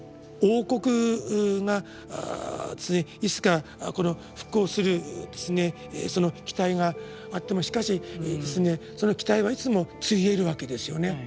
王国がいつか復興するその期待があってもしかしその期待はいつもついえるわけですよね。